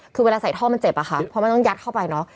คือเวลาใส่ท่อมันเจ็บอะค่ะเพราะมันต้องยัดเข้าไปเนอะ